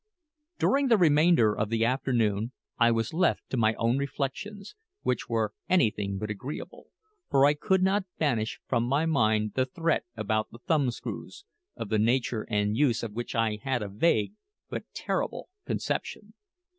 During the remainder of the afternoon I was left to my own reflections, which were anything but agreeable; for I could not banish from my mind the threat about the thumbscrews, of the nature and use of which I had a vague but terrible conception.